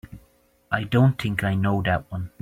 I don't think I know that one.